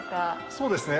そうですね。